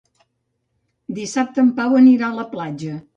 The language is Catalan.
Dissabte en Pau anirà a la platja.